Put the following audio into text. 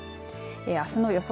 あすの予想